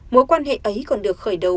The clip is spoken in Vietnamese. mối quan hệ ấy còn được khởi đầu